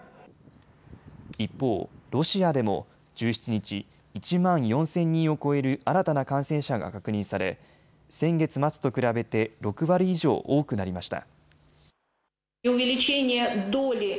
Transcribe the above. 一方、ロシアでも１７日、１万４０００人を超える新たな感染者が確認され先月末と比べて６割以上多くなりました。